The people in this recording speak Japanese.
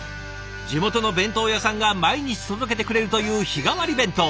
地元の弁当屋さんが毎日届けてくれるという日替わり弁当。